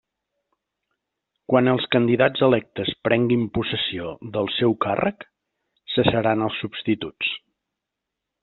Quan els candidats electes prenguin possessió del seu càrrec, cessaran els substituts.